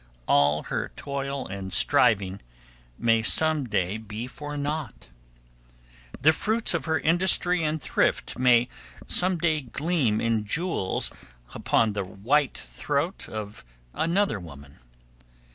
All her toil and striving may some day be for naught. The fruits of her industry and thrift may some day gleam in jewels upon the white throat of another woman.